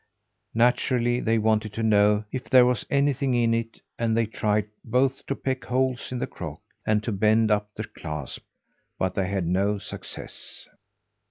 Naturally they wanted to know if there was anything in it, and they tried both to peck holes in the crock, and to bend up the clasp, but they had no success.